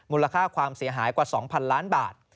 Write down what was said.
มูลค่าความเสียหายกว่า๒๐๐๐ล้านบาท